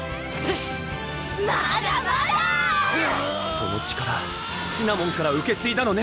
その力シナモンから受け継いだのね